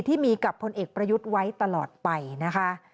ที่มีกับพลเอกประยุทธ์ไว้ตลอดไปนะคะ